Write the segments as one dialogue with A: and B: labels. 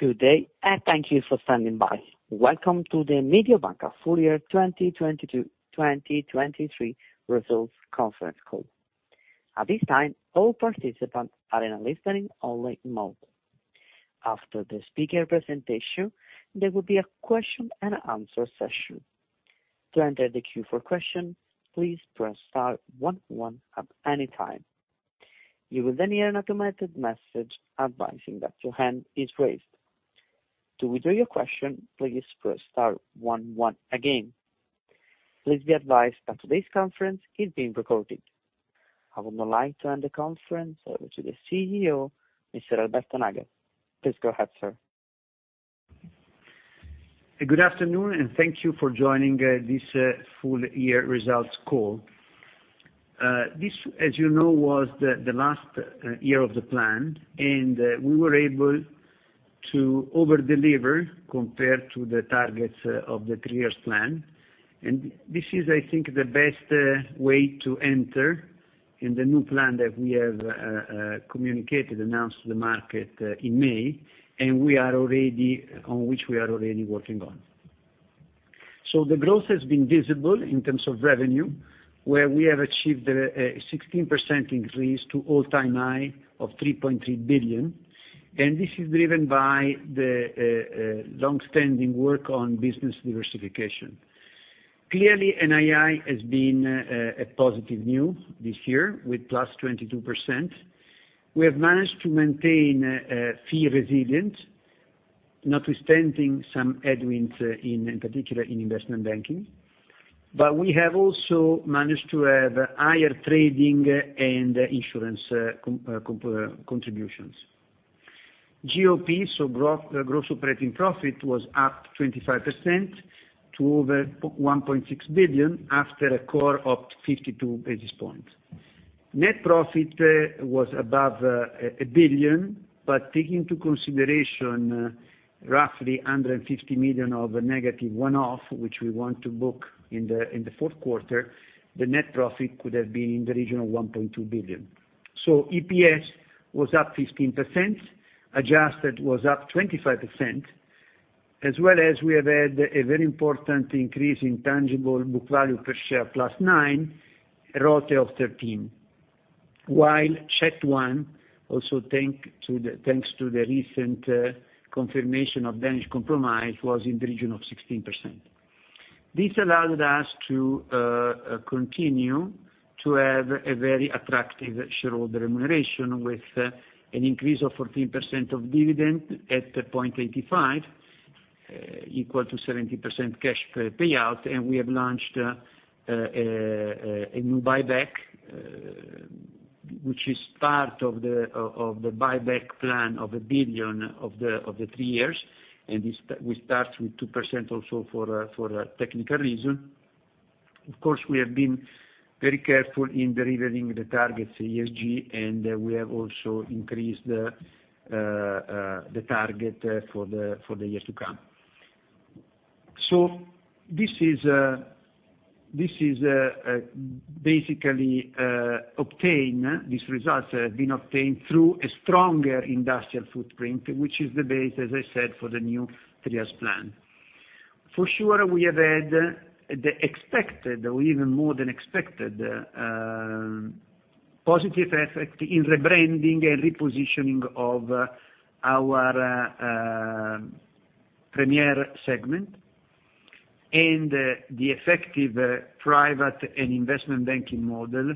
A: Good day. Thank you for standing by. Welcome to the Mediobanca full year 2020-2023 results conference call. At this time, all participants are in a listening only mode. After the speaker presentation, there will be a question-and-answer session. To enter the queue for question, please press star one one at any time. You will hear an automated message advising that your hand is raised. To withdraw your question, please press star one one again. Please be advised that today's conference is being recorded. I would now like to hand the conference over to the CEO, Mr. Alberto Nagel. Please go ahead, sir.
B: Good afternoon and thank you for joining this full year results call. This, as you know, was the last year of the plan. We were able to over-deliver compared to the targets of the three years plan. This is, I think, the best way to enter in the new plan that we have communicated, announced to the market in May. We are already working on. The growth has been visible in terms of revenue, where we have achieved a 16% increase to all-time high of 3.3 billion. This is driven by the long-standing work on business diversification. NII has been a positive new this year with +22%. We have managed to maintain fee resilience, notwithstanding some headwinds, in particular in investment banking. We have also managed to have higher trading and insurance contributions. GOP, so Gross Operating Profit, was up 25% to over 1.6 billion after a core up 52 basis points. Net profit was above 1 billion, but take into consideration, roughly 150 million of negative one-off, which we want to book in the, in the fourth quarter, the net profit could have been in the region of 1.2 billion. EPS was up 15%, adjusted was up 25%, as well as we have had a very important increase in tangible book value per share, +9, a ROTE of 13. While CET1, also thanks to the recent confirmation of Danish Compromise, was in the region of 16%. This allowed us to continue to have a very attractive shareholder remuneration, with an increase of 14% of dividend at 0.85, equal to 70% cash payout. We have launched a new buyback, which is part of the buyback plan of 1 billion of the three years, we start with 2% also for a technical reason. Of course, we have been very careful in delivering the targets ESG, we have also increased the target for the years to come. These results have been obtained through a stronger industrial footprint, which is the base, as I said, for the new three-year plan. For sure, we have had the expected, or even more than expected, positive effect in rebranding and repositioning of our Mediobanca Premier segment. The effective private and investment banking model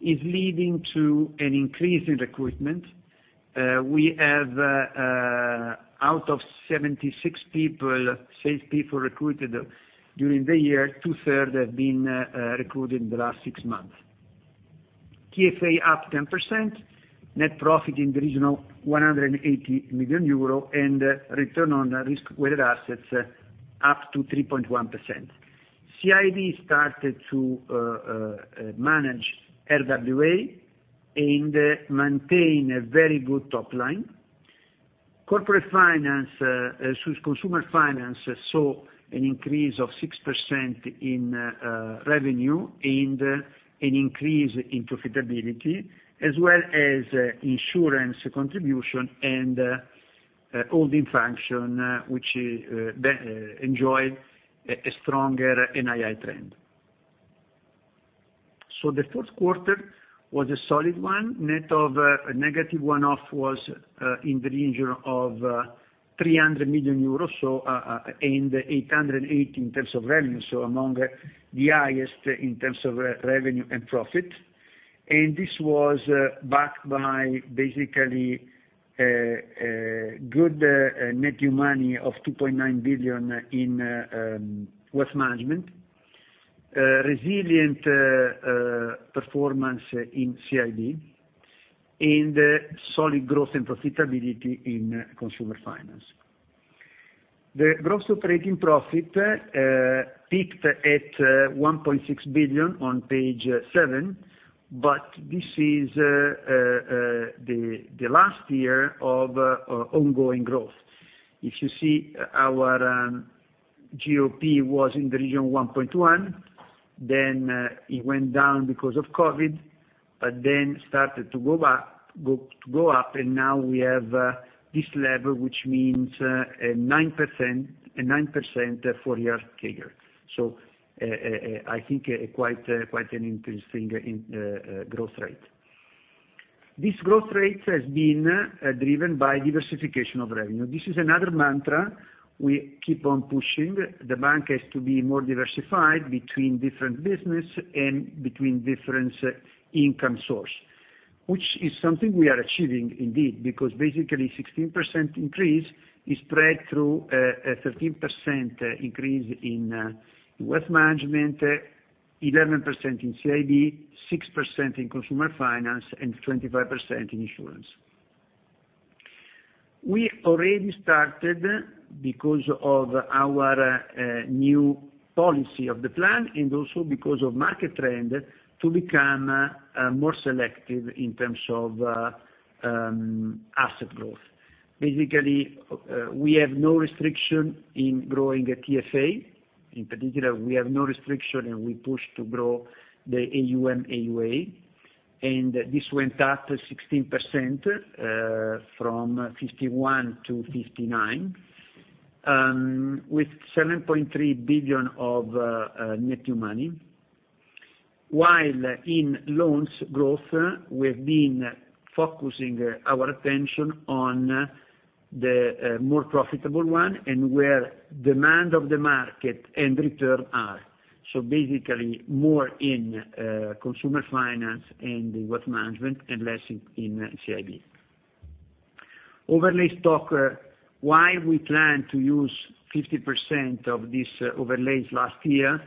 B: is leading to an increase in recruitment. We have out of 76 people, salespeople recruited during the year, 2/3 have been recruited in the last six months. TSA up 10%, net profit in the region of 180 million euro, and return on risk-weighted assets up to 3.1%. CIB started to manage RWA and maintain a very good top line. Corporate finance, consumer finance saw an increase of 6% in revenue and an increase in profitability, as well as insurance contribution and holding function, which enjoyed a stronger NII trend. The fourth quarter was a solid one. Net of negative one-off was in the region of 300 million euros, and 808 in terms of revenue, among the highest in terms of revenue and profit. This was backed by basically good net new money of 2.9 billion in wealth management, resilient performance in CIB, and solid growth and profitability in consumer finance. The gross operating profit peaked at 1.6 billion on page seven, but this is the last year of ongoing growth. If you see our GOP was in the region 1.1, then it went down because of COVID, but then started to go back to go up, and now we have this level, which means a 9% four-year CAGR. I think quite an interesting growth rate. This growth rate has been driven by diversification of revenue. This is another mantra we keep on pushing. The bank has to be more diversified between different business and between different income source, which is something we are achieving indeed, because basically 16% increase is spread through a 13% increase in wealth management, 11% in CIB, 6% in consumer finance, and 25% in insurance. We already started, because of our new policy of the plan, and also because of market trend, to become more selective in terms of asset growth. Basically, we have no restriction in growing a TSA. In particular, we have no restriction, and we push to grow the AUM/AUA, and this went up 16% from 51 to 59, with 7.3 billion of net new money. While in loans growth, we've been focusing our attention on the more profitable one and where demand of the market and return are. Basically, more in consumer finance and wealth management and less in CIB. Overlay stock, while we plan to use 50% of this overlays last year,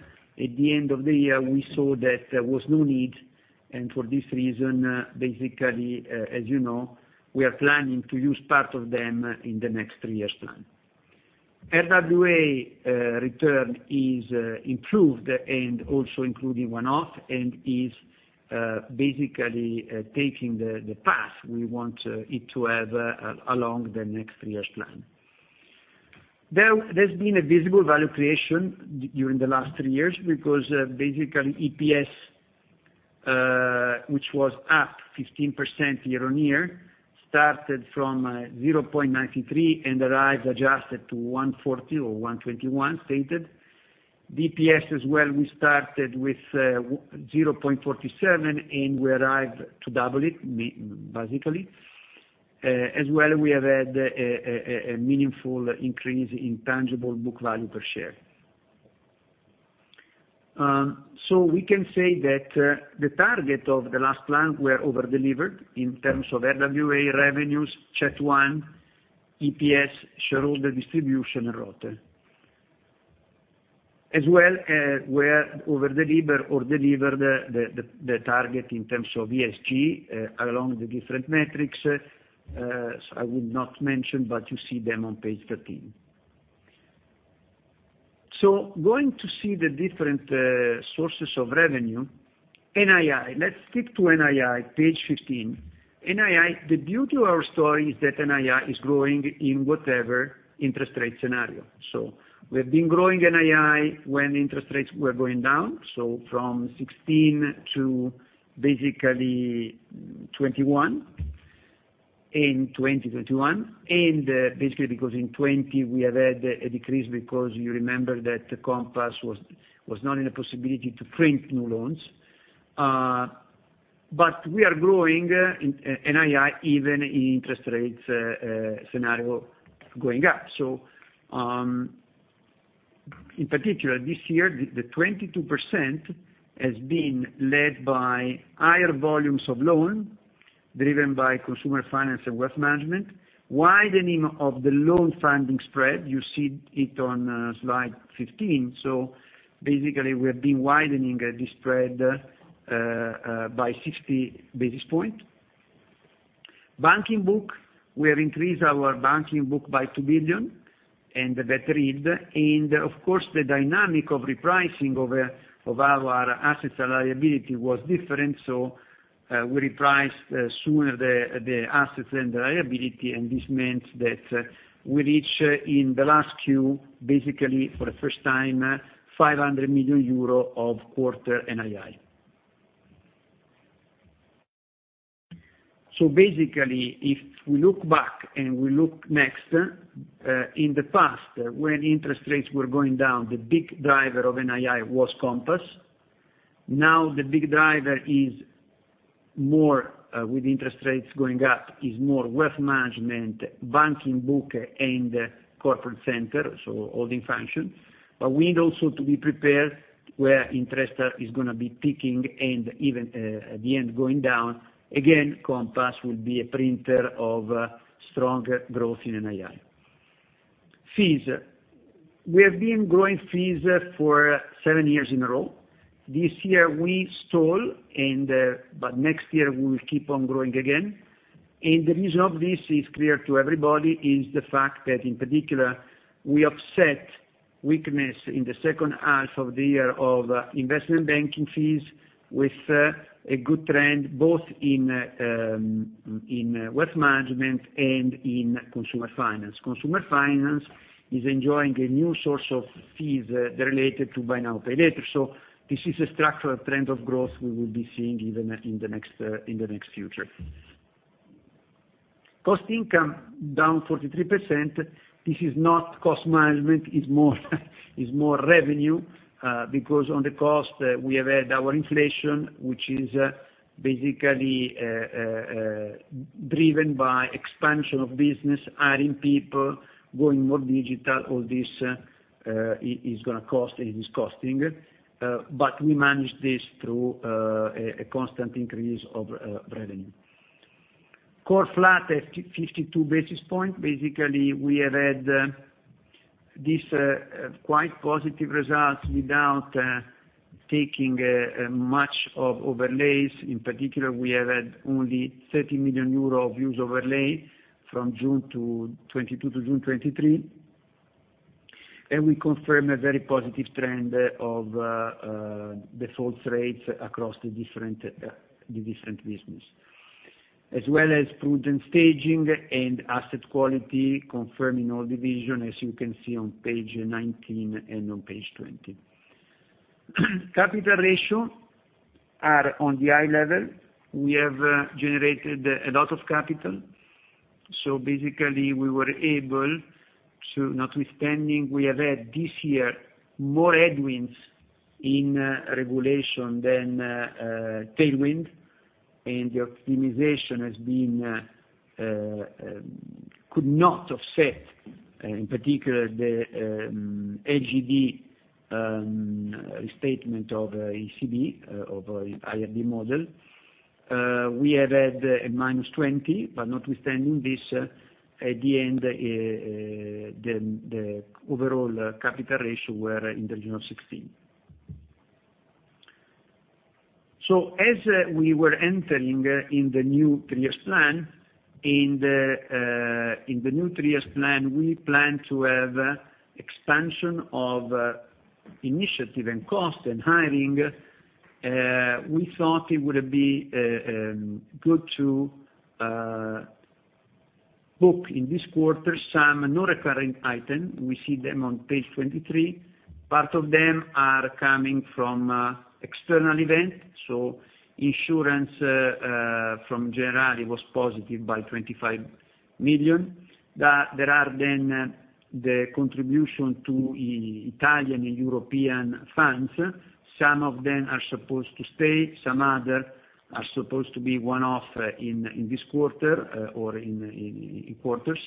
B: at the end of the year, we saw that there was no need, and for this reason, basically, as you know, we are planning to use part of them in the next three years plan. RWA return is improved and also including one-off, and is basically taking the path we want it to have along the next three years plan. There's been a visible value creation during the last three years, because basically, EPS, which was up 15% year-on-year, started from 0.93 and arrived adjusted to 1.40 or 1.21, stated. DPS as well, we started with 0.47 and we arrived to double it, basically. As well, we have had a meaningful increase in tangible book value per share. We can say that the target of the last plan were over-delivered in terms of RWA revenues, CET1, EPS, shareholder distribution, and ROTE. As well, we're over-deliver or deliver the target in terms of ESG along the different metrics. I would not mention, but you see them on page 13. Going to see the different sources of revenue, NII. Let's stick to NII, page 15. NII, the beauty of our story is that NII is growing in whatever interest rate scenario. We've been growing NII when interest rates were going down, from 2016 to basically 2021, in 2021, basically because in 2020, we have had a decrease because you remember that the Compass was not in a possibility to print new loans. We are growing in NII even in interest rates scenario going up. In particular, this year, the 22% has been led by higher volumes of loan, driven by consumer finance and wealth management, widening of the loan funding spread, you see it on slide 15. Basically, we have been widening the spread by 60 basis points. Banking book, we have increased our banking book by 2 billion, and the better yield, and of course, the dynamic of repricing of our assets and liability was different, so we repriced sooner the assets and the liability, and this means that we reach in the last queue, basically for the first time, 500 million euro of quarter NII. Basically, if we look back and we look next, in the past, when interest rates were going down, the big driver of NII was Compass. Now, the big driver is more, with interest rates going up, is more wealth management, banking book, and corporate center, so holding function. We need also to be prepared where interest is going to be peaking and even, at the end, going down. Again, Compass will be a printer of strong growth in NII. Fees. We have been growing fees for seven years in a row. This year, we stall, but next year, we will keep on growing again. The reason of this is clear to everybody, is the fact that, in particular, we offset weakness in the second half of the year of investment banking fees with a good trend, both in wealth management and in consumer finance. Consumer finance is enjoying a new source of fees related to Buy Now, Pay Later. This is a structural trend of growth we will be seeing even in the next in the next future. Cost income down 43%. This is not cost management, it's more revenue, because on the cost, we have had our inflation, which is basically driven by expansion of business, hiring people, going more digital. All this is gonna cost, and it is costing, but we manage this through a constant increase of revenue. Core flat at 52 basis points. Basically, we have had this quite positive results without taking much of overlays. In particular, we have had only 30 million euro of use overlay from June 2022-June 2023, and we confirm a very positive trend of default rates across the different business, as well as prudent staging and asset quality confirming our division, as you can see on page 19 and on page 20. Capital ratio are on the high level. We have generated a lot of capital, basically, we were able to, notwithstanding, we have had this year more headwinds in regulation than tailwind. The optimization has been could not offset in particular the AGD statement of ECB of IRB model. We have had a -20. Notwithstanding this, at the end, the overall capital ratio were in the region of 16. As we were entering in the new three-year plan, in the new three-year plan, we plan to have expansion of initiative and cost and hiring, we thought it would be good to book in this quarter some non-recurring item. We see them on page 23. Part of them are coming from external event, so insurance from Generali was positive by 25 million. There are then the contribution to Italian and European funds. Some of them are supposed to stay, some other are supposed to be one-off in this quarter or in quarters.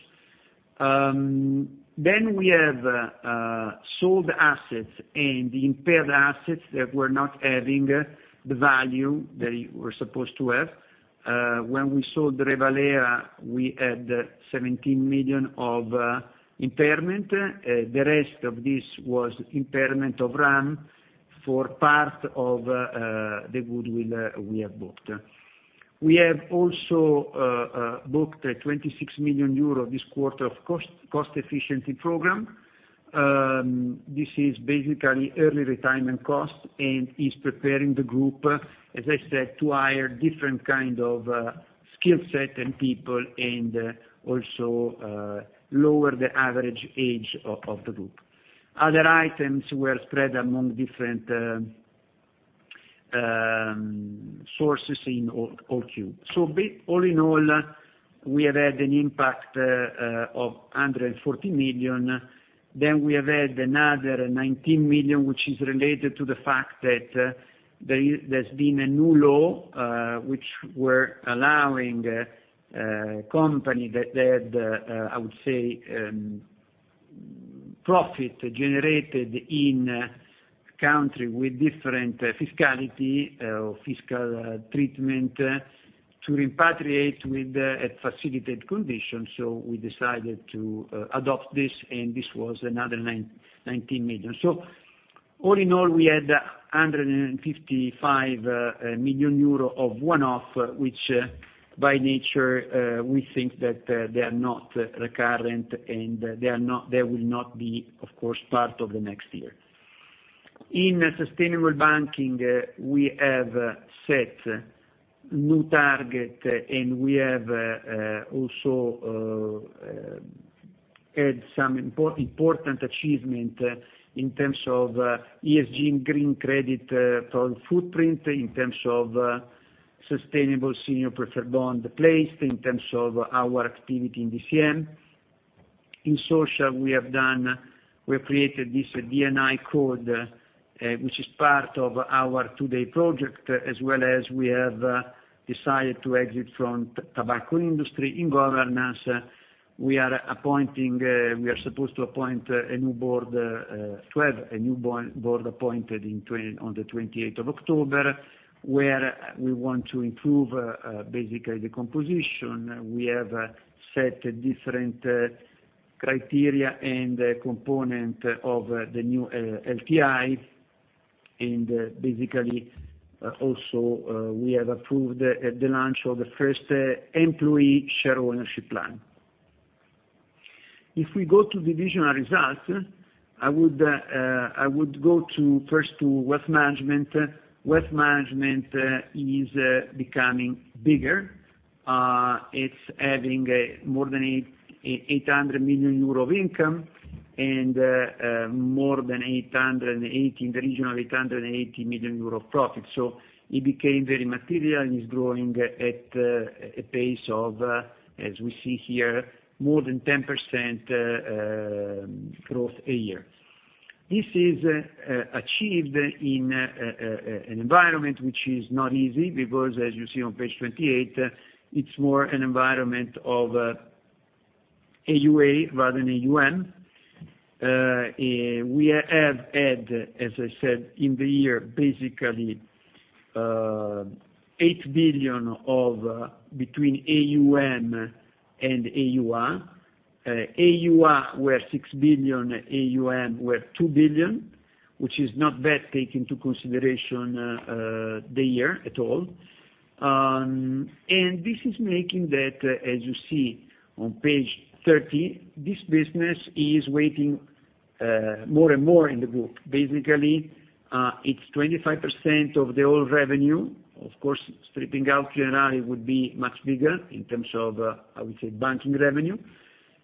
B: Then we have sold assets and the impaired assets that were not having the value they were supposed to have. When we sold Revalea, we had 17 million of impairment. The rest of this was impairment of RAM for part of the goodwill we have booked. We have also booked a 26 million euro this quarter of cost, cost efficiency program. This is basically early retirement costs, and is preparing the group, as I said, to hire different kind of skill set and people, and also lower the average age of the group. Other items were spread among different sources in all cube. All in all, we have had an impact of 140 million. We have had another 19 million, which is related to the fact that there's been a new law, which we're allowing company that I would say, profit generated in country with different fiscality or fiscal treatment to repatriate with a facilitated condition. We decided to adopt this, and this was another 19 million. All in all, we had 155 million euro of one-off, which, by nature, we think that they are not recurrent, and they will not be, of course, part of the next year. In sustainable banking, we have set a new target, and we have also had some important achievement in terms of ESG and green credit, total footprint, in terms of sustainable senior preferred bond placed, in terms of our activity in DCM. In social, we have done, we have created this DNI code, which is part of our two-day project, as well as we have decided to exit from tobacco industry. In governance, we are appointing, we are supposed to appoint a new board, to have a new board appointed on the 28th of October, where we want to improve, basically, the composition. We have set a different criteria and a component of the new LTI. Basically, also, we have approved the launch of the first employee share ownership plan. If we go to divisional results, I would, I would go to, first, to wealth management. Wealth management is becoming bigger. It's adding more than 800 million euro of income, More than 880 million, in the region of 880 million euro of profit. It became very material, and is growing at a pace of, as we see here, more than 10% growth a year. This is achieved in an environment which is not easy, because as you see on page 28, it's more an environment of AUA rather than AUM. We have had, as I said, in the year, basically, 8 billion of, between AUM and AUA. AUA were 6 billion, AUM were 2 billion, which is not bad, take into consideration the year at all. This is making that, as you see on page 30, this business is weighing more and more in the group. Basically, it's 25% of the whole revenue. Of course, stripping out QNI, it would be much bigger in terms of, I would say, banking revenue.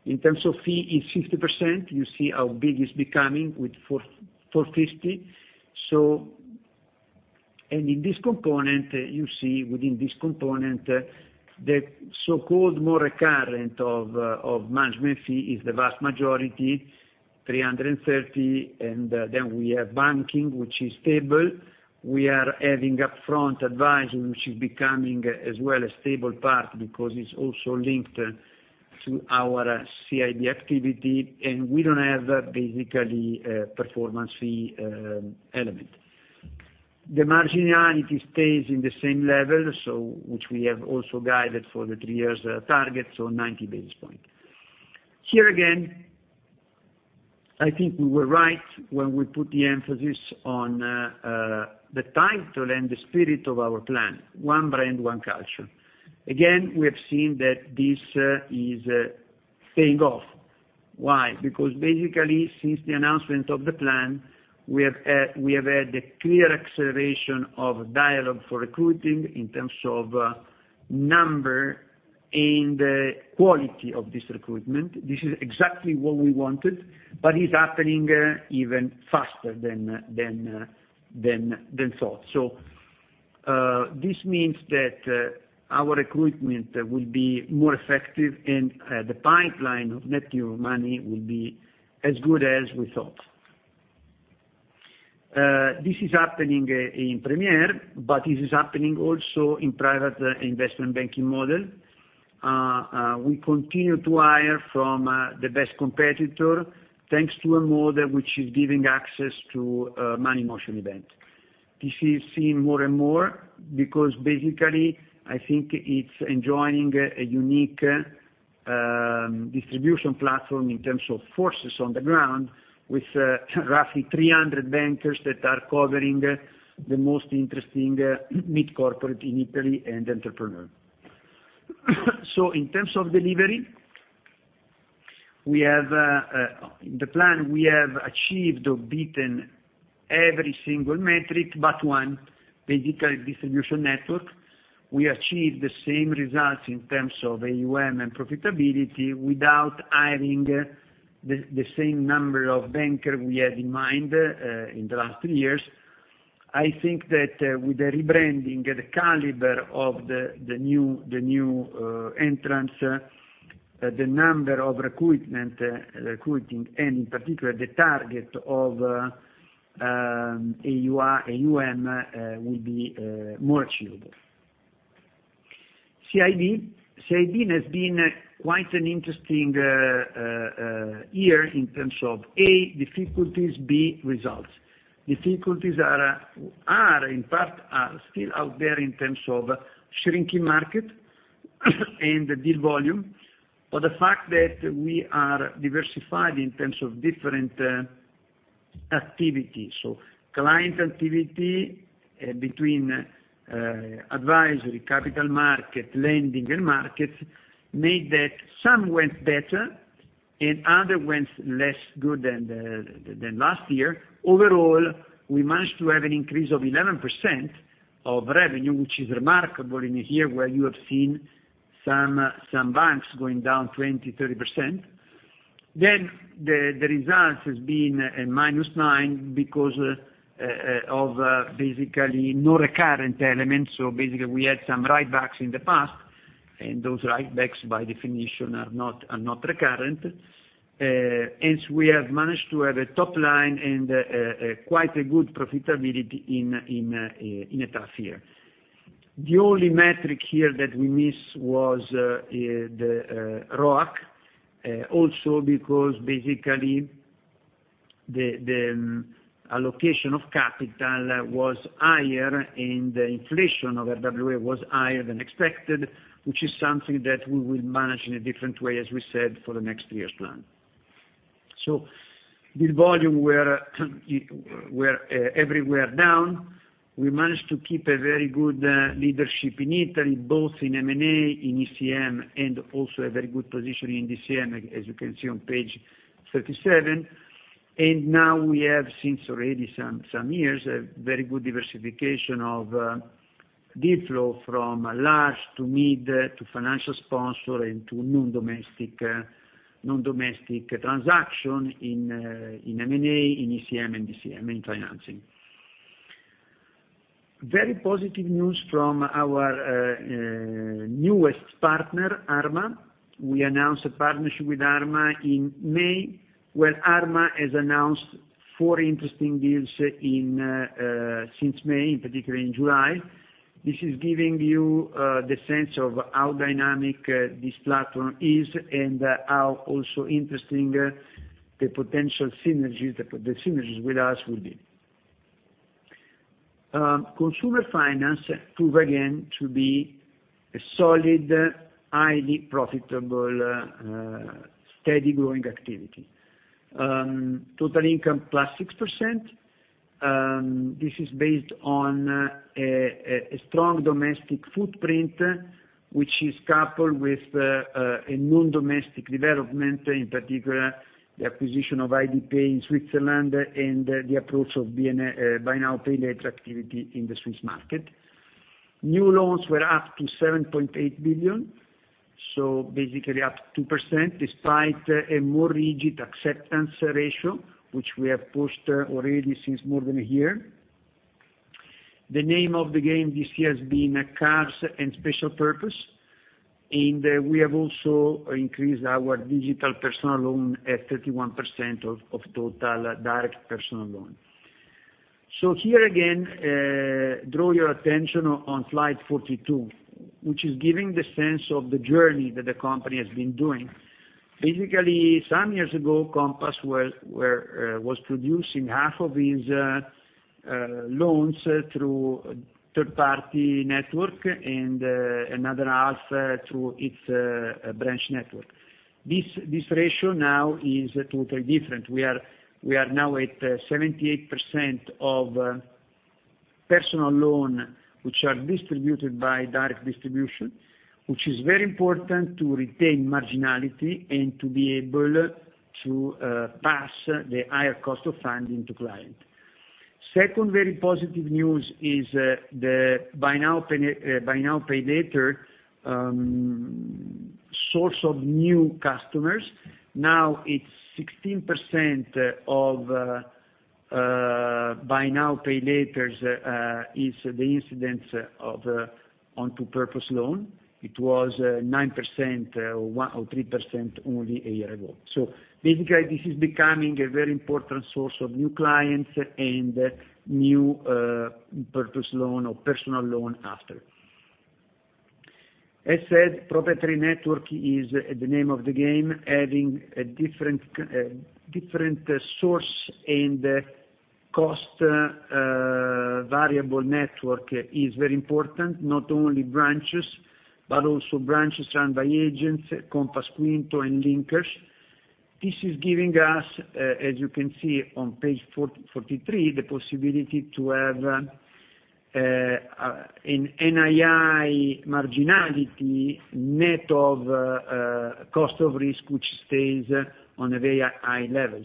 B: In terms of fee, it's 50%. You see how big it's becoming with 450 million. In this component, you see within this component, the so-called more recurrent of management fee is the vast majority, 330 million, we have banking, which is stable. We are adding upfront advisory, which is becoming as well a stable part, because it's also linked to our CIB activity, we don't have basically performance fee element. The marginality stays in the same level, which we have also guided for the three years target, 90 basis points. Here again, I think we were right when we put the emphasis on the title and the spirit of our plan, One Brand, One Culture. Again, we have seen that this is paying off. Why? Basically, since the announcement of the plan, we have had a clear acceleration of dialogue for recruiting in terms of number and quality of this recruitment. This is exactly what we wanted, but it's happening even faster than thought. This means that our recruitment will be more effective, and the pipeline of net new money will be as good as we thought. This is happening in Premier, but this is happening also in private investment banking model. We continue to hire from the best competitor, thanks to a model which is giving access to a Money in Motion event. This is seen more and more because basically, I think it's enjoying a unique distribution platform in terms of forces on the ground, with roughly 300 bankers that are covering the most interesting mid-corporate in Italy and entrepreneur. In terms of delivery, we have the plan we have achieved or beaten every single metric, but one, basically, distribution network. We achieved the same results in terms of AUM and profitability without adding the same number of banker we had in mind in the last two years. I think that with the rebranding, the caliber of the new entrants, the number of recruiting, and in particular, the target of AUM, will be more achievable. CIB. CIB has been quite an interesting year in terms of, A, difficulties, B, results. Difficulties are, in fact, still out there in terms of shrinking market and the deal volume, but the fact that we are diversified in terms of different activities, so client activity between advisory, capital market, lending, and markets, made that some went better, and other went less good than last year. Overall, we managed to have an increase of 11% of revenue, which is remarkable in a year where you have seen some banks going down 20%-30%. The results has been a -9 because of basically no recurrent elements. Basically, we had some write-backs in the past, and those write-backs, by definition, are not recurrent. Hence we have managed to have a top line and quite a good profitability in a tough year. The only metric here that we missed was the ROAC also because basically the allocation of capital was higher, and the inflation of RWA was higher than expected, which is something that we will manage in a different way, as we said, for the next year's plan. This volume where everywhere down, we managed to keep a very good leadership in Italy, both in M&A, in ECM, and also a very good position in DCM, as you can see on page 37. Now we have, since already some years, a very good diversification of deal flow from large to mid, to financial sponsor, to non-domestic transaction in M&A, in ECM, and DCM, in financing. Very positive news from our newest partner, Arma. We announced a partnership with Arma in May, where Arma has announced four interesting deals since May, in particular in July. This is giving you the sense of how dynamic this platform is, and how also interesting the potential synergies, the synergies with us will be. Consumer finance prove again to be a solid, highly profitable, steady growing activity. Total income +6%, this is based on a strong domestic footprint, which is coupled with a non-domestic development, in particular, the acquisition of IDP in Switzerland and the approach of Buy Now, Pay Later activity in the Swiss market. New loans were up to 7.8 billion, basically up 2%, despite a more rigid acceptance ratio, which we have pushed already since more than a year. The name of the game this year has been cars and special purpose, and we have also increased our digital personal loan at 31% of total direct personal loan. Here again, draw your attention on slide 42, which is giving the sense of the journey that the company has been doing. Basically, some years ago, Compass was producing half of its loans through third-party network and another half through its branch network. This ratio now is totally different. We are now at 78% of personal loan, which are distributed by direct distribution, which is very important to retain marginality and to be able to pass the higher cost of funding to client. Second very positive news is the Buy Now, Pay Later source of new customers. Now it's 16% of Buy Now, Pay Later is the incidence of on to purpose loan. It was 9% or 1% or 3% only a year ago. Basically, this is becoming a very important source of new clients and new purpose loan or personal loan after. As said, proprietary network is the name of the game, having a different source and cost variable network is very important, not only branches, but also branches run by agents, Compass Quinto and Linkers. This is giving us, as you can see on page 40, 43, the possibility to have an NII marginality net of cost of risk, which stays on a very high level.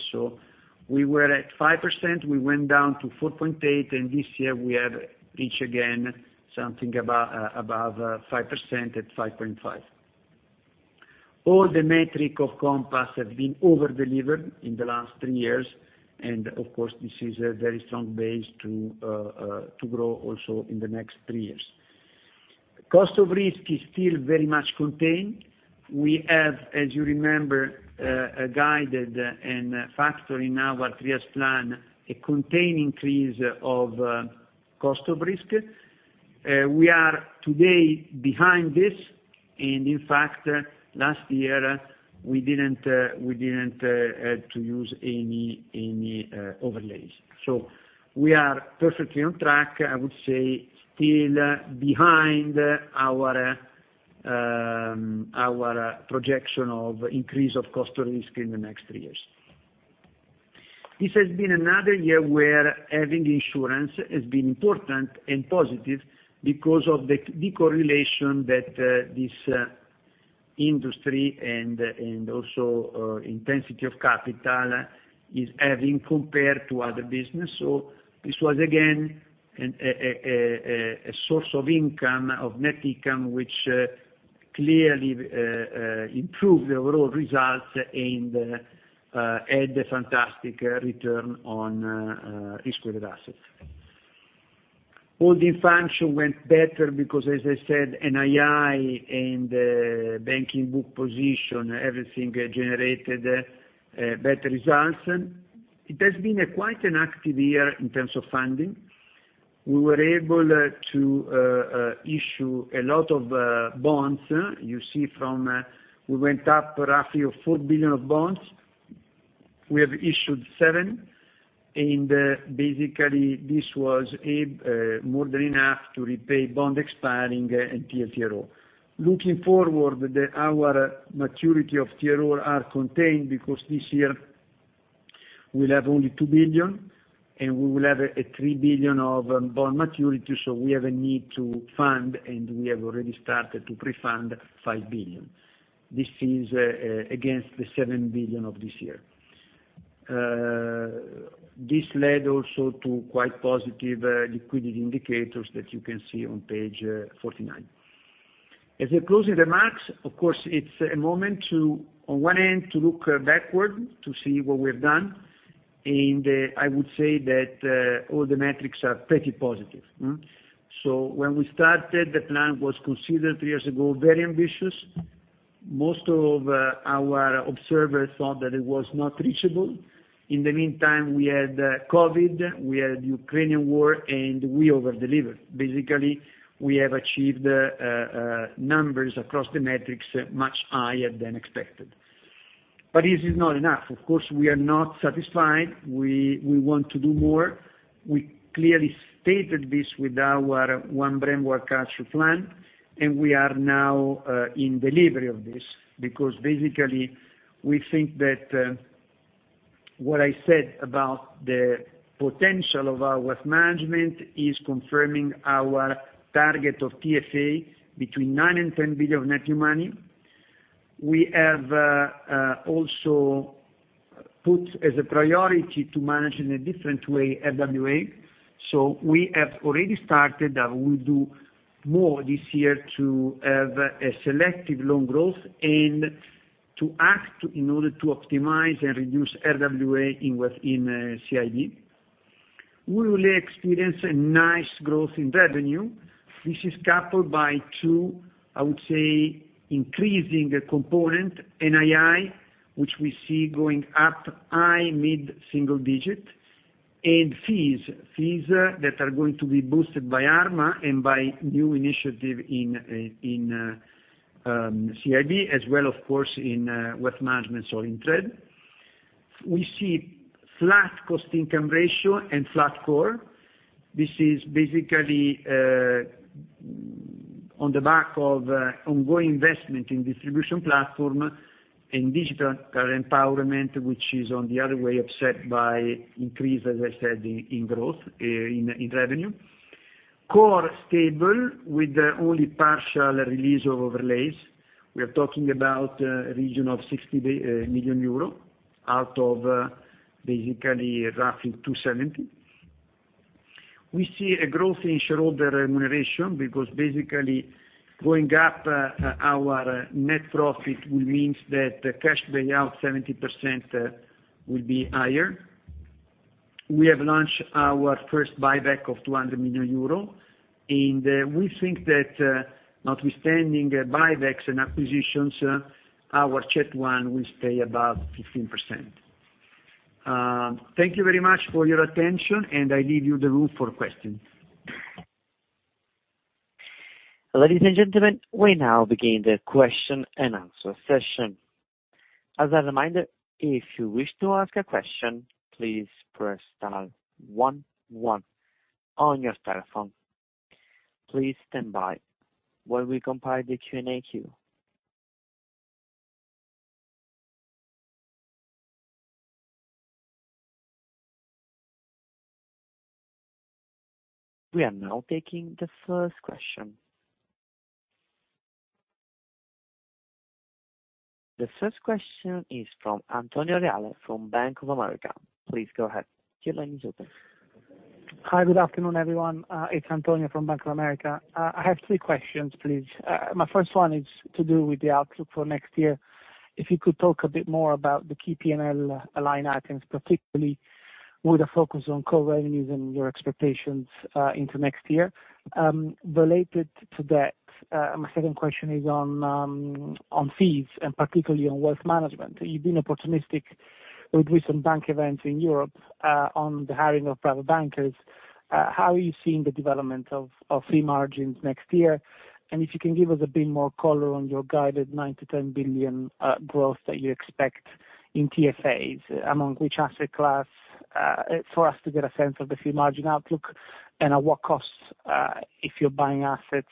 B: We were at 5%, we went down to 4.8%, and this year we have reached again, something above 5% at 5.5%. All the metric of Compass have been over-delivered in the last three years, and of course, this is a very strong base to grow also in the next three years. Cost of risk is still very much contained. We have, as you remember, a guided and factor in our 3S plan, a contained increase of cost of risk. We are today behind this, and in fact, last year, we didn't to use any, any, overlays. We are perfectly on track, I would say, still behind our, our projection of increase of cost of risk in the next three years. This has been another year where having insurance has been important and positive because of the correlation that this industry and also, intensity of capital is having compared to other business. This was, again, a source of income, of net income, which, clearly, improved the overall results and had a fantastic return on risk-weighted assets. All the function went better because, as I said, NII and banking book position, everything generated better results. It has been a quite an active year in terms of funding. We were able to issue a lot of bonds. You see from we went up roughly of 4 billion of bonds. We have issued seven. Basically, this was a more than enough to repay bond expiring and TLTRO. Looking forward, our maturity of TLTRO are contained because this year we'll have only 2 billion, and we will have a 3 billion of bond maturity, so we have a need to fund, and we have already started to pre-fund 5 billion. This is against the 7 billion of this year. This led also to quite positive liquidity indicators that you can see on page 49. As a closing remarks, of course, it's a moment to, on one end, to look backward to see what we've done. I would say that all the metrics are pretty positive. When we started, the plan was considered, three years ago, very ambitious. Most of our observers thought that it was not reachable. In the meantime, we had COVID, we had Russo-Ukrainian War, we over-delivered. Basically, we have achieved numbers across the metrics much higher than expected. This is not enough. Of course, we are not satisfied. We want to do more. We clearly stated this with our One Brand-One Culture plan. We are now in delivery of this, because basically, we think that what I said about the potential of our wealth management is confirming our target of TFA between 9 billion and 10 billion of net new money. We have also put as a priority to manage in a different way, RWA. We have already started, and we'll do more this year to have a selective loan growth and to act in order to optimize and reduce RWA in within CIB. We will experience a nice growth in revenue. This is coupled by two, I would say, increasing component, NII, which we see going up high, mid-single digit, and fees. Fees that are going to be boosted by Arma and by new initiative in CIB, as well, of course, in wealth management, so in trade. We see flat Cost-to-Income Ratio and flat core. This is basically on the back of ongoing investment in distribution platform and digital empowerment, which is, on the other way, upset by increase, as I said, in growth in revenue. Core stable, with only partial release of overlays. We are talking about a region of 60 million euro, out of basically roughly 270 million. We see a growth in shareholder remuneration, because basically going up our net profit, which means that the cash payout, 70%, will be higher. We have launched our first buyback of 200 million euro. We think that, notwithstanding buybacks and acquisitions, our CET1 will stay above 15%. Thank you very much for your attention. I leave you the room for questions.
A: Ladies and gentlemen, we now begin the question-and-answer session. As a reminder, if you wish to ask a question, please press star one one on your telephone. Please stand by while we compile the Q&A queue. We are now taking the first question. The first question is from Antonio Reale from Bank of America. Please go ahead. Your line is open.
C: Hi, good afternoon, everyone. It's Antonio from Bank of America. I have three questions, please. My first one is to do with the outlook for next year. If you could talk a bit more about the key PNL line items, particularly with a focus on core revenues and your expectations, into next year. Related to that, my second question is on, on fees and particularly on wealth management. You've been opportunistic with recent bank events in Europe, on the hiring of private bankers. How are you seeing the development of fee margins next year? If you can give us a bit more color on your guided 9 billion-10 billion growth that you expect in TFAs, among which asset class, for us to get a sense of the fee margin outlook, and at what costs, if you're buying assets,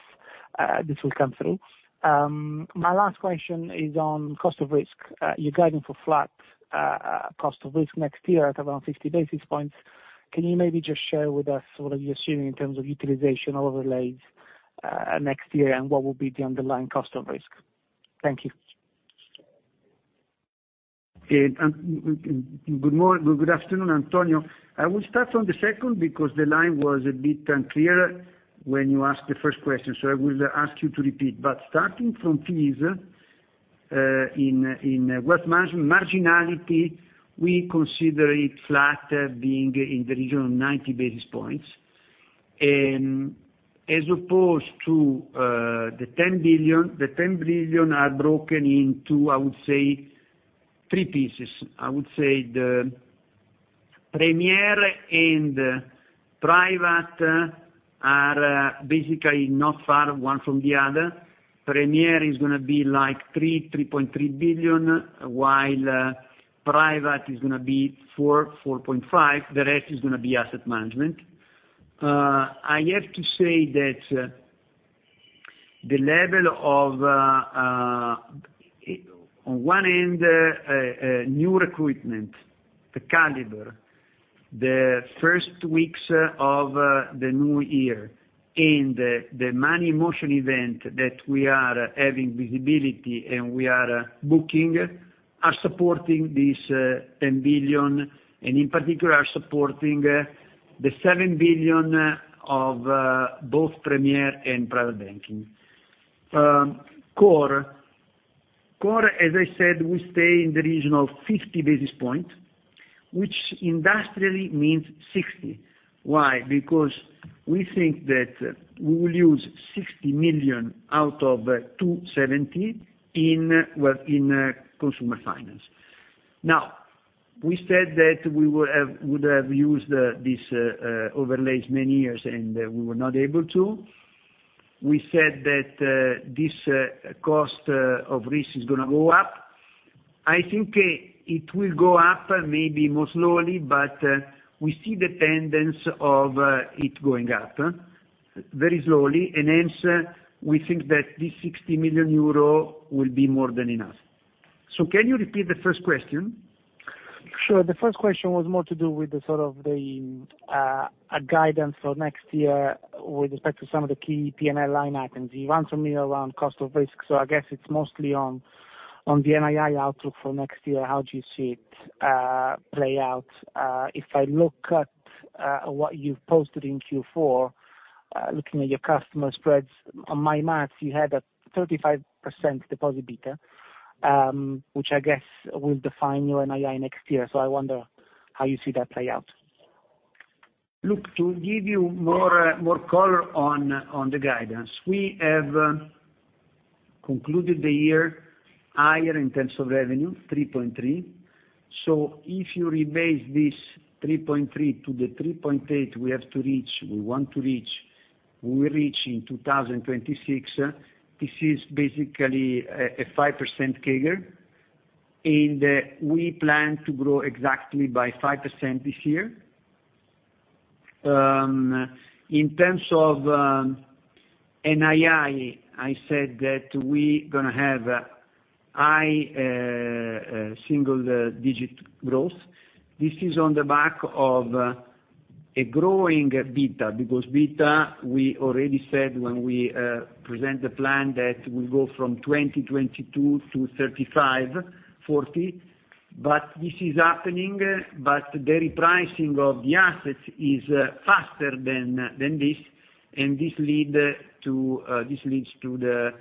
C: this will come through. My last question is on cost of risk. You're guiding for flat cost of risk next year at around 60 basis points. Can you maybe just share with us what are you assuming in terms of utilization overlays next year, and what will be the underlying cost of risk? Thank you.
B: Okay, good afternoon, Antonio. I will start on the second, because the line was a bit unclear when you asked the first question, so I will ask you to repeat. Starting from fees, in wealth management, marginality, we consider it flat, being in the region of 90 basis points. As opposed to the 10 billion, the 10 billion are broken into, I would say, three pieces. I would say the Premier and Private are basically not far one from the other. Premier is going to be like 3 billion-3.3 billion, while private is going to be 4 billion-4.5 billion. The rest is going to be asset management. I have to say that the level of on one end new recruitment, the caliber, the first weeks of the new year and the Money in Motion that we are having visibility, and we are booking, are supporting this 10 billion, and in particular, are supporting the 7 billion of both Mediobanca Premier and Private Banking. Core, as I said, we stay in the region of 50 basis points, which industrially means 60. Why? Because we think that we will use 60 million out of 270 in consumer finance. Now, we said that we would have used this over the last many years, and we were not able to. We said that this cost of risk is going to go up. I think it will go up maybe more slowly, but we see the tendency of it going up very slowly, and hence, we think that this 60 million euro will be more than enough. Can you repeat the first question?
C: Sure. The first question was more to do with the sort of the a guidance for next year with respect to some of the key PNL line items. You answered me around cost of risk, I guess it's mostly on the NII outlook for next year. How do you see it play out? If I look at what you've posted in Q4, looking at your customer spreads, on my maths, you had a 35% deposit beta, which I guess will define your NII next year. I wonder how you see that play out.
B: Look, to give you more, more color on, on the guidance, we have concluded the year higher in terms of revenue, 3.3. If you rebase this 3.3 to the 3.8, we have to reach, we want to reach, we will reach in 2026, this is basically a 5% CAGR, and we plan to grow exactly by 5% this year. In terms of NII, I said that we're going to have high, single digit growth. This is on the back of a growing beta, because beta, we already said when we present the plan that will go from 2022 to 35, 40. This is happening, but the repricing of the assets is faster than this. This leads to the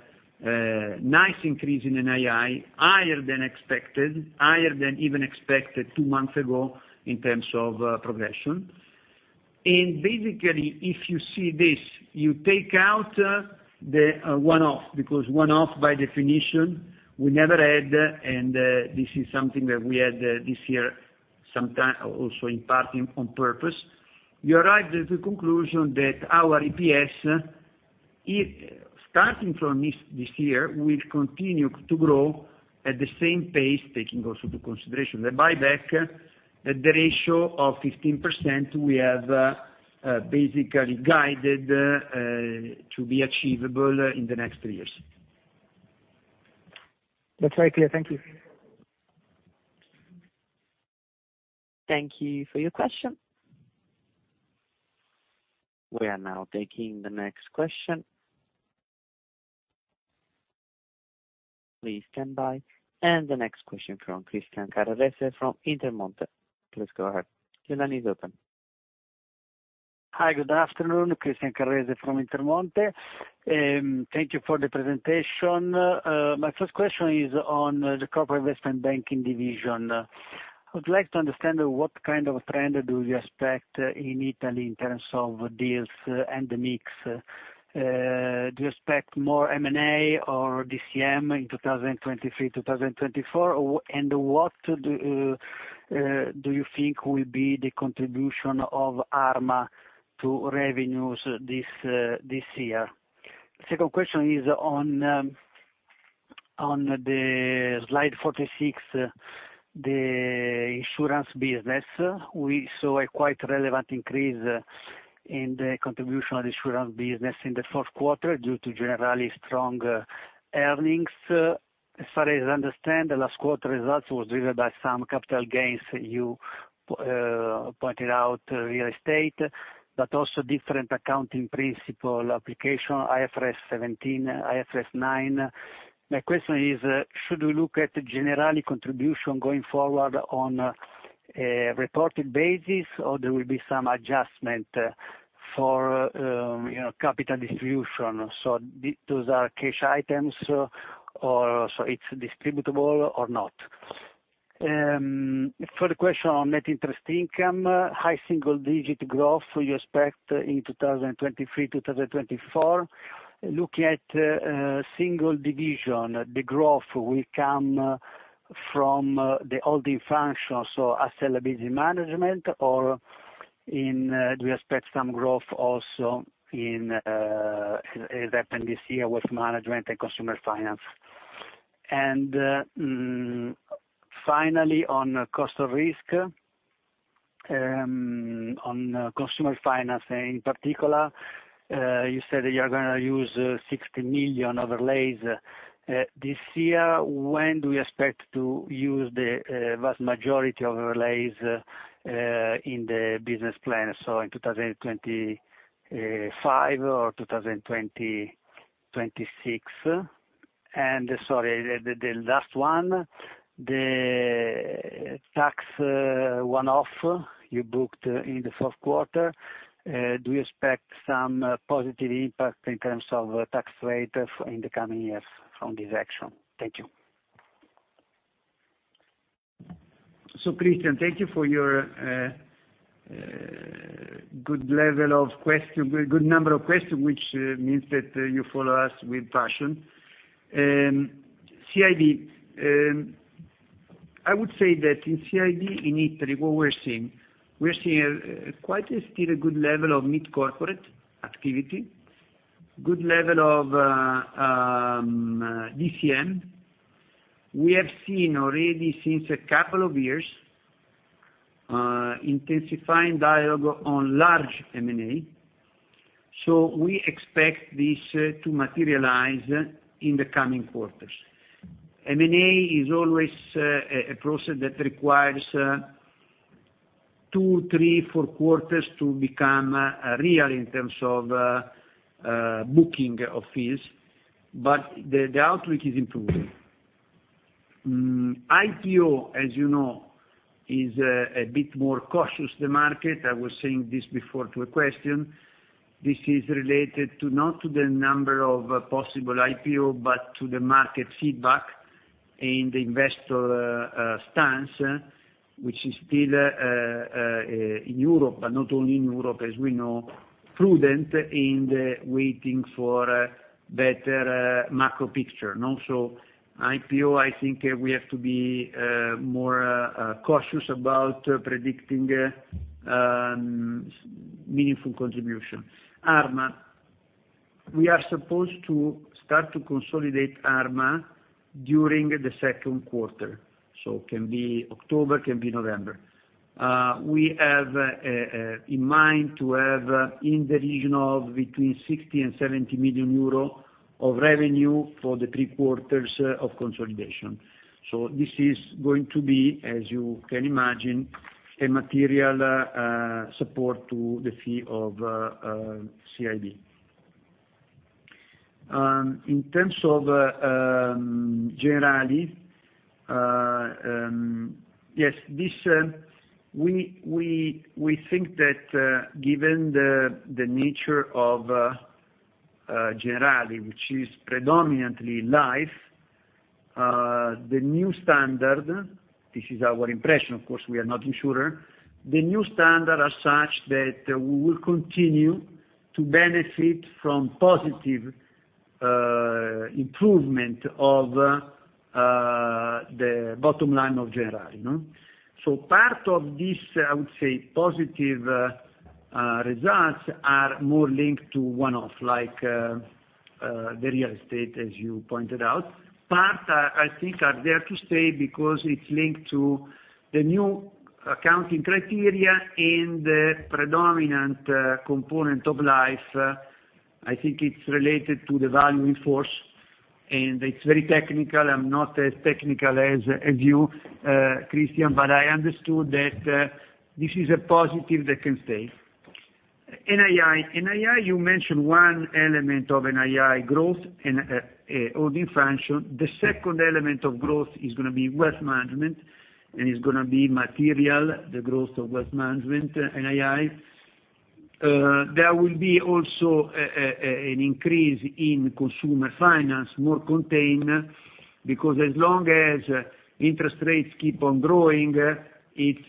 B: nice increase in NII, higher than expected, higher than even expected two months ago in terms of progression. Basically, if you see this, you take out the one-off, because one-off, by definition, we never had, and this is something that we had this year, sometime also in part on purpose. You arrive at the conclusion that our EPS, starting from this year, will continue to grow at the same pace, taking also to consideration the buyback, at the ratio of 15%, we have basically guided to be achievable in the next three years.
C: That's very clear. Thank you.
A: Thank you for your question. We are now taking the next question. Please stand by. The next question from Christian Carrese from Intermonte. Please go ahead, your line is open.
D: Hi, good afternoon, Christian Carrese from Intermonte. Thank you for the presentation. My first question is on the Corporate Investment Banking division. I would like to understand what kind of trend do you expect in Italy in terms of deals and the mix. Do you expect more M&A or DCM in 2023, 2024? What do you think will be the contribution of Arma to revenues this year? Second question is on the slide 46, the insurance business. We saw a quite relevant increase in the contribution of the insurance business in the fourth quarter due to Generali strong earnings. As far as I understand, the last quarter results was driven by some capital gains, you pointed out real estate, but also different accounting principle application, IFRS 17, IFRS 9. My question is, should we look at generally contribution going forward on a reported basis, or there will be some adjustment for, you know, capital distribution? So those are cash items, or so it's distributable or not? For the question on net interest income, high single digit growth, you expect in 2023, 2024. Looking at single division, the growth will come from the holding function, so asset liability management in, do you expect some growth also in, it happened this year with management and consumer finance? Finally, on cost of risk, on consumer finance, in particular, you said that you're gonna use 60 million overlays this year. When do you expect to use the vast majority of overlays in the business plan, so in 2025 or 2026? Sorry, the last one, the tax one-off you booked in the fourth quarter, do you expect some positive impact in terms of tax rate in the coming years from this action? Thank you.
B: Christian, thank you for your good level of question, good number of questions, which means that you follow us with passion. CIB, I would say that in CIB, in Italy, what we're seeing quite a still a good level of mid-corporate activity, good level of DCM. We have seen already since a couple of years intensifying dialogue on large M&A, we expect this to materialize in the coming quarters. M&A is always a process that requires two, three, four quarters to become real in terms of booking of fees, the outlook is improving. IPO, as you know, is a bit more cautious the market. I was saying this before to a question. This is related to, not to the number of possible IPO, but to the market feedback and the investor stance, which is still in Europe, but not only in Europe, as we know, prudent in the waiting for better macro picture, no. IPO, I think we have to be more cautious about predicting meaningful contribution. Arma. We are supposed to start to consolidate Arma during the second quarter, so can be October, can be November. We have in mind to have in the region of between 60 million and 70 million euro of revenue for the three quarters of consolidation. This is going to be, as you can imagine, a material support to the fee of CIB. In terms of Generali, yes, this, we think that given the nature of Generali, which is predominantly life, the new standard, this is our impression, of course, we are not insurer. The new standard are such that we will continue to benefit from positive improvement of the bottom line of Generali, no? Part of this, I would say, positive results are more linked to one-off, like the real estate, as you pointed out. Part, I think, are there to stay because it's linked to the new accounting criteria and the predominant component of life. I think it's related to the value in force, and it's very technical. I'm not as technical as you, Christian, but I understood that this is a positive that can stay. NII. NII, you mentioned one element of NII growth and holding function. The second element of growth is gonna be wealth management, and it's gonna be material, the growth of wealth management, NII. There will be also an increase in consumer finance, more contained, because as long as interest rates keep on growing, its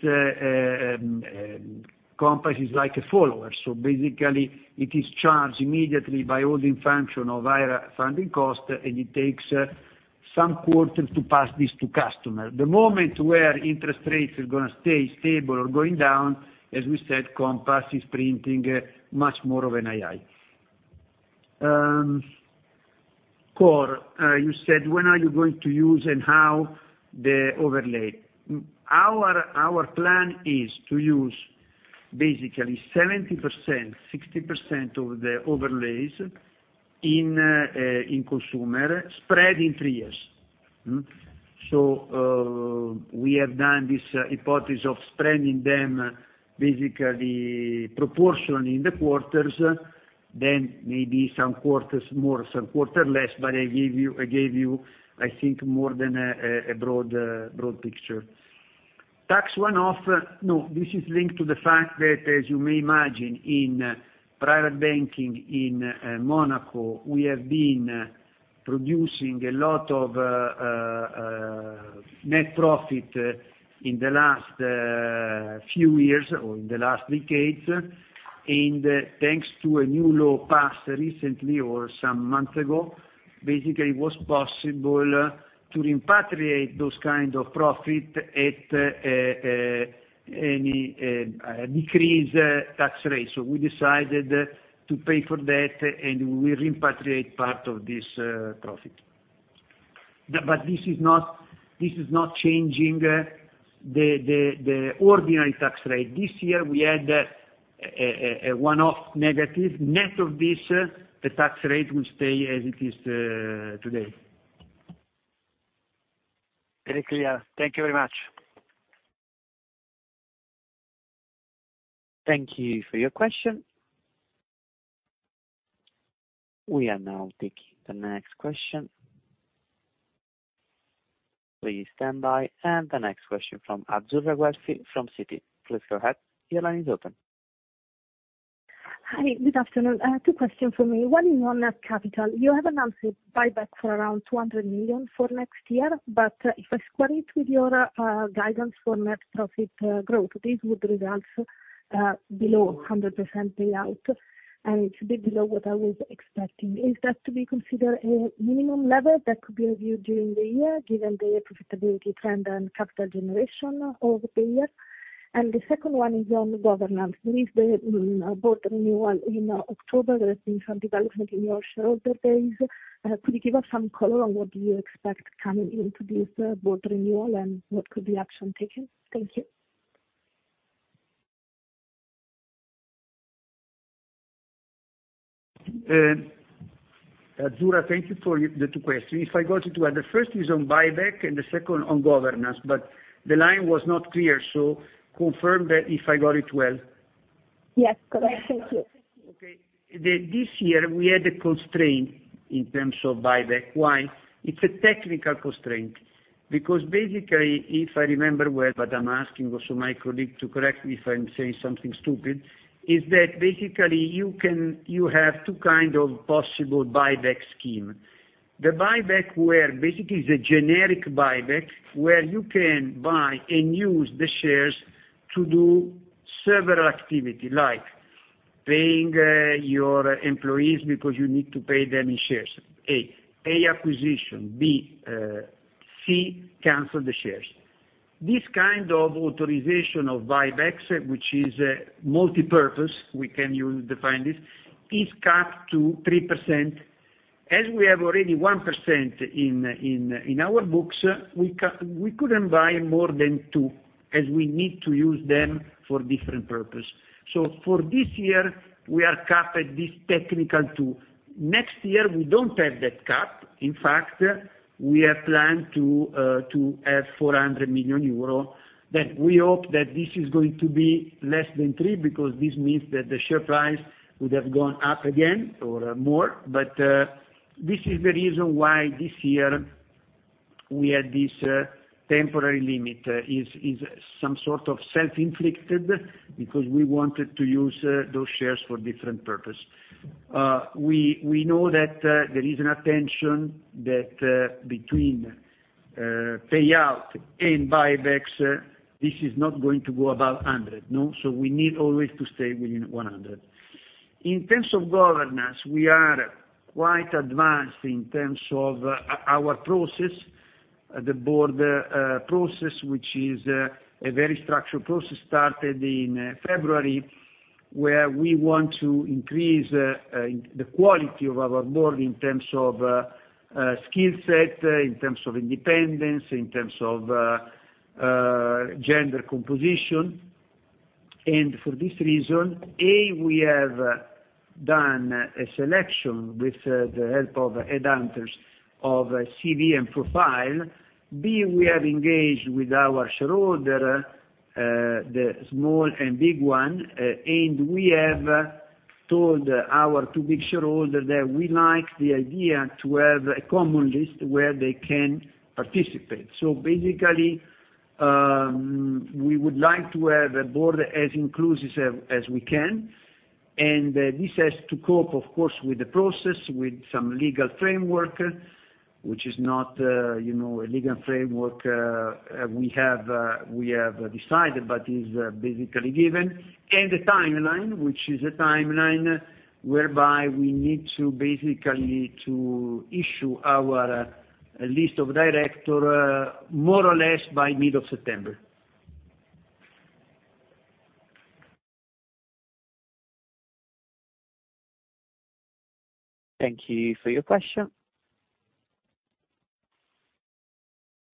B: Compass is like a follower. Basically, it is charged immediately by holding function of higher funding cost, and it takes some quarters to pass this to customer. The moment where interest rates are gonna stay stable or going down, as we said, Compass is printing much more of NII. Core, you said, when are you going to use and how the overlay? Our plan is to use basically 70%, 60% of the overlays in consumer, spread in three years. We have done this hypothesis of spreading them basically proportion in the quarters, then maybe some quarters more, some quarter less, but I gave you, I think, more than a broad picture. Tax one-off, no, this is linked to the fact that, as you may imagine, in private banking in Monaco, we have been producing a lot of net profit in the last few years or in the last decade. Thanks to a new law passed recently or some months ago, basically, it was possible to repatriate those kind of profit at any decreased tax rate. We decided to pay for that, and we repatriate part of this profit. This is not changing the ordinary tax rate. This year, we had a one-off negative. Net of this, the tax rate will stay as it is today.
D: Very clear. Thank you very much.
A: Thank you for your question. We are now taking the next question. Please stand by. The next question from Azzurra Guelfi from Citi. Please go ahead. Your line is open.
E: Hi, good afternoon. I have two questions for me. One is on net capital. You have announced a buyback for around 200 million for next year, but if I square it with your guidance for net profit growth, this would result below 100% payout, and it's a bit below what I was expecting. Is that to be considered a minimum level that could be reviewed during the year, given the profitability trend and capital generation over the year? The second one is on governance. There is the board renewal in October. There has been some development in your shareholder base. Could you give us some color on what do you expect coming into this board renewal, and what could be action taken? Thank you.
B: Azzurra, thank you for the two questions. If I got it well, the first is on buyback and the second on governance, the line was not clear, confirm that if I got it well?
E: Yes, correct. Thank you.
B: Okay. This year, we had a constraint in terms of buyback. Why? It's a technical constraint. Basically, if I remember well, but I'm asking also my colleague to correct me if I'm saying something stupid, is that basically you have two kind of possible buyback scheme. The buyback where basically is a generic buyback, where you can buy and use the shares to do several activity, like paying your employees because you need to pay them in shares, A, acquisition, B, C, cancel the shares. This kind of authorization of buybacks, which is a multipurpose, define this, is capped to 3%. We have already 1% in our books, we couldn't buy more than two, as we need to use them for different purpose. For this year, we are capped at this technical two. Next year, we don't have that cap. In fact, we have planned to have 400 million euro, that we hope that this is going to be less than three, because this means that the share price would have gone up again or more. This is the reason why this year we had this temporary limit. Is some sort of self-inflicted, because we wanted to use those shares for different purpose. We know that there is an attention that between payout and buybacks, this is not going to go above 100, no? We need always to stay within 100. In terms of governance, we are quite advanced in terms of our process, the board process, which is a very structured process, started in February, where we want to increase the quality of our board in terms of skill set, in terms of independence, in terms of gender composition. For this reason, a, we have done a selection with the help of headhunters of CV and profile. B, we have engaged with our shareholder, the small and big one, and we have told our two big shareholder that we like the idea to have a common list where they can participate. Basically, we would like to have a board as inclusive as, as we can. This has to cope, of course, with the process, with some legal framework, which is not, you know, a legal framework we have decided, but is basically given, and the timeline, which is a timeline whereby we need to basically to issue our list of director more or less by mid of September.
A: Thank you for your question.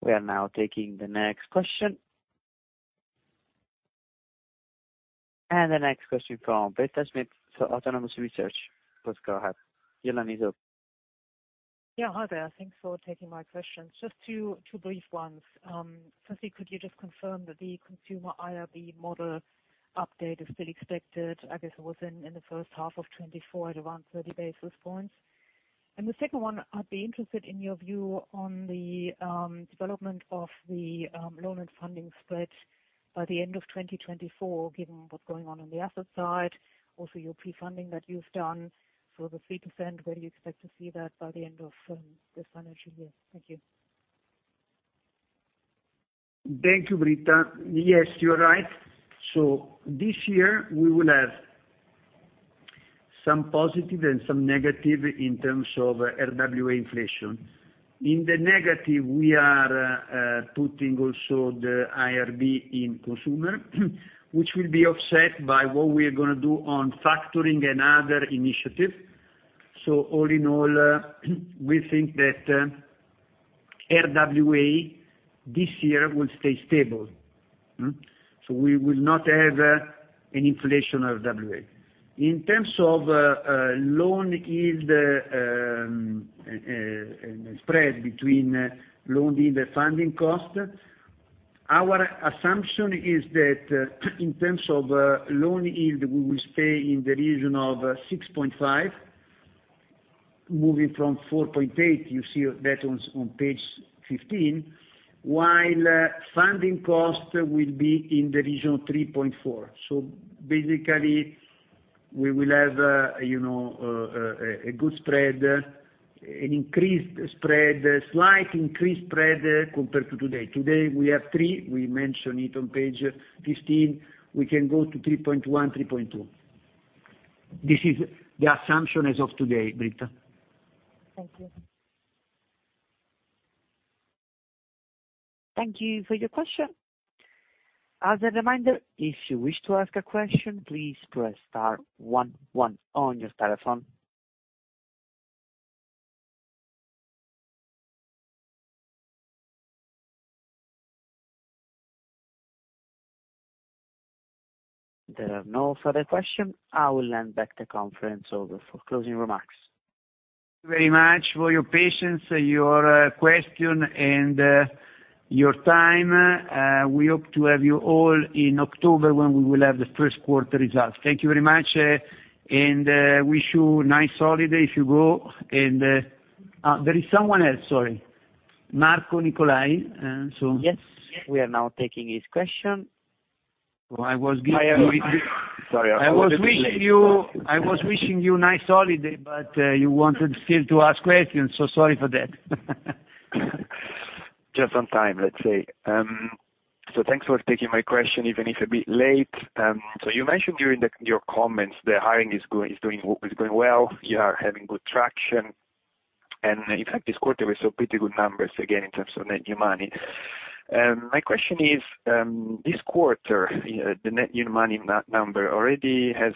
A: We are now taking the next question. The next question from Britta Schmidt from Autonomous Research. Please go ahead. Your line is open.
F: Yeah, hi there. Thanks for taking my questions. Just two brief ones. Firstly, could you just confirm that the consumer IRB model update is still expected, I guess it was in the first half of 2024 at around 30 basis points? The second one, I'd be interested in your view on the development of the loan and funding spread by the end of 2024, given what's going on on the asset side, also your pre-funding that you've done for the 3%, where do you expect to see that by the end of this financial year? Thank you.
B: Thank you, Britta. Yes, you are right. This year, we will have some positive and some negative in terms of RWA inflation. In the negative, we are putting also the IRB in consumer, which will be offset by what we are going to do on factoring and other initiatives. All in all, we think that RWA this year will stay stable. We will not have an inflation of RWA. In terms of loan yield, spread between loan yield and funding cost, our assumption is that, in terms of loan yield, we will stay in the region of 6.5, moving from 4.8, you see that on page 15. While funding cost will be in the region of 3.4. Basically, we will have, you know, a good spread, an increased spread, a slight increased spread compared to today. Today, we have three, we mention it on page 15. We can go to 3.1, 3.2. This is the assumption as of today, Britta.
F: Thank you.
A: Thank you for your question. As a reminder, if you wish to ask a question, please press star one one on your telephone. There are no further question. I will hand back the conference over for closing remarks.
B: Thank you very much for your patience, your question, and your time. We hope to have you all in October, when we will have the first quarter results. Thank you very much, and wish you nice holiday if you go. There is someone else, sorry, Marco Nicolai.
A: Yes, we are now taking his question.
B: So I was giving-
G: Sorry.
B: I was wishing you nice holiday, but you wanted still to ask questions, so sorry for that.
G: Just on time, let's say. Thanks for taking my question, even if a bit late. You mentioned during your comments, the hiring is going well. You are having good traction, in fact, this quarter, we saw pretty good numbers again, in terms of net new money. My question is, this quarter, the net new money number already has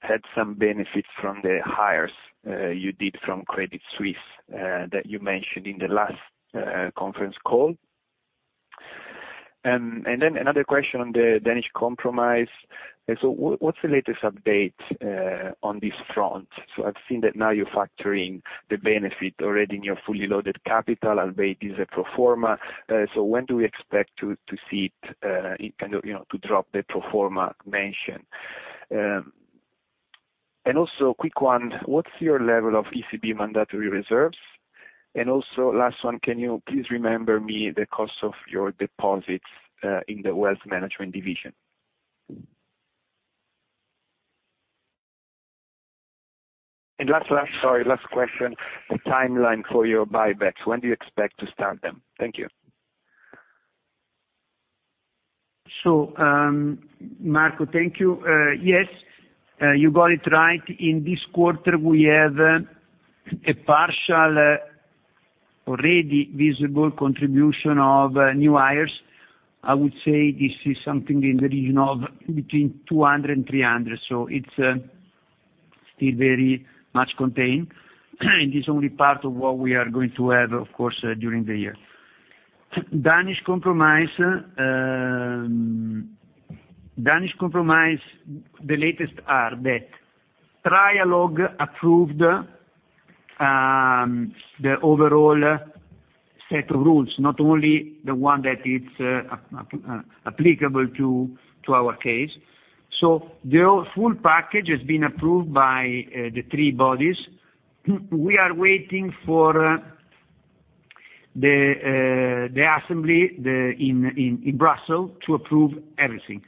G: had some benefits from the hires you did from Credit Suisse that you mentioned in the last conference call. Another question on the Danish Compromise. What's the latest update on this front? I've seen that now you're factoring the benefit already in your fully loaded capital, albeit is a pro forma. When do we expect to see it in kind of, you know, to drop the pro forma mention? Also a quick one: What's your level of ECB mandatory reserves? Also, last one, can you please remember me the cost of your deposits in the wealth management division? Last question. The timeline for your buybacks, when do you expect to start them? Thank you.
B: Marco, thank you. Yes, you got it right. In this quarter, we have a partial, already visible contribution of new hires. I would say this is something in the region of between 200 and 300, so it's still very much contained. It's only part of what we are going to have, of course, during the year. Danish Compromise, Danish Compromise, the latest are that trialogue approved the overall set of rules, not only the one that it's applicable to, to our case. The full package has been approved by the three bodies. We are waiting for the assembly, in Brussels, to approve everything.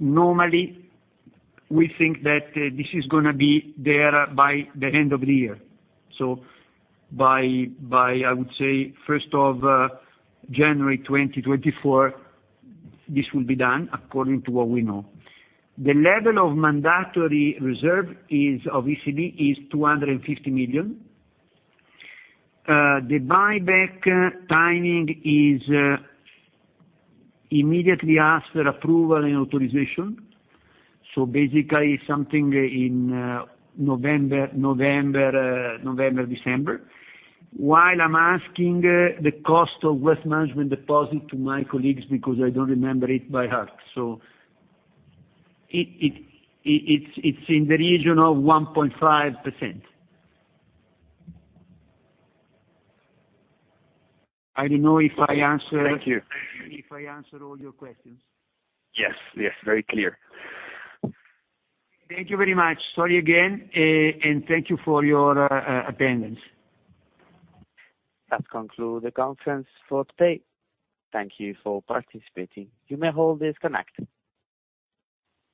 B: Normally, we think that this is going to be there by the end of the year. By, I would say, first of January 2024, this will be done according to what we know. The level of mandatory reserve is, of ECB, is 250 million. The buyback timing is immediately after approval and authorization, so basically something in November, December. While I'm asking the cost of wealth management deposit to my colleagues, because I don't remember it by heart, it's in the region of 1.5%. I don't know if I answered.
G: Thank you.
B: If I answered all your questions.
G: Yes, yes, very clear.
B: Thank you very much. Sorry again, and thank you for your attendance.
A: That conclude the conference for today. Thank you for participating. You may all disconnect.